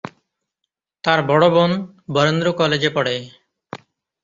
তার বড় বোন বরেন্দ্র কলেজে পড়ে।